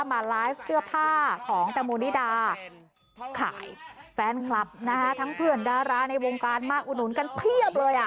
มาไลฟ์เสื้อผ้าของแตงโมนิดาขายแฟนคลับนะฮะทั้งเพื่อนดาราในวงการมาอุดหนุนกันเพียบเลยอ่ะ